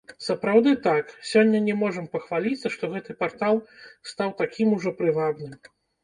Сапраўды так, сёння не можам пахваліцца, што гэты партал стаў такім ужо прывабным.